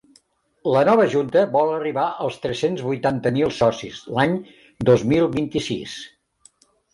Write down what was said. La nova junta vol arribar als tres-cents vuitanta mil socis l’any dos mil vint-i-sis.